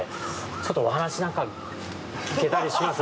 ちょっとお話なんか聞けたりします？